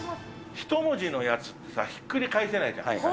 一文字のやつってひっくり返せないじゃん。